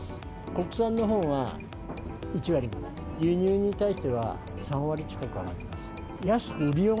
国産のほうが１割、輸入に対しては３割近く上がってます。